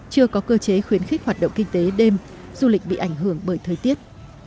chưa có cơ chế khuyến khích hoạt động kinh tế đêm du lịch bị ảnh hưởng bởi thời tiết